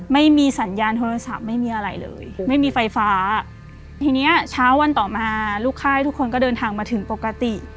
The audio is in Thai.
ไม่มีสัญญาณโทรศัพท์ไม่มีอะไรเลยไม่มีไฟฟ้าทีเนี้ยเช้าวันต่อมาลูกค่ายทุกคนก็เดินทางมาถึงปกติ